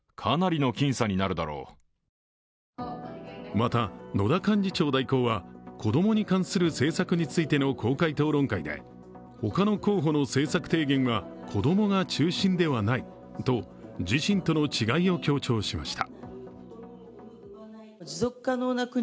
また野田幹事長代行は子供に関する政策についての公開討論会で、他の候補の政策提言は子供が中心ではないと自身との違いを強調しました。